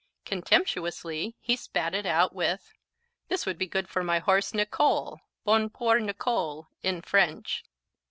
Contemptuously he spat it out with: "This would be good for my horse, Nicole." "Bon pour Nicole" in French.